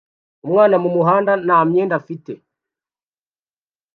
umwana mumuhanda nta myenda afite